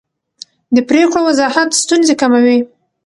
د پرېکړو وضاحت ستونزې کموي